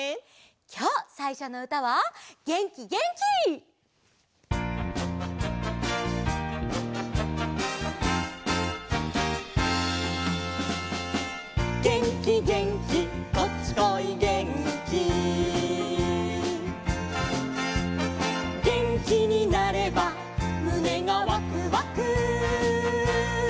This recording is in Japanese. きょうさいしょのうたは「げんき・元気」！「げんきげんきこっちこいげんき」「げんきになればむねがワクワク」